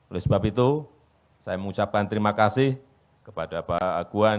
oleh sebab itu saya mengucapkan terima kasih kepada pak aguan